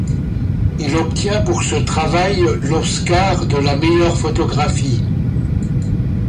Il obtient pour ce travail l'Oscar de la meilleure photographie.